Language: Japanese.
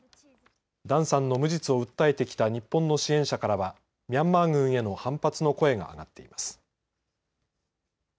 ダンさんの無実を訴えてきた日本の支援者からはミャンマー軍への反発の声が上がっています。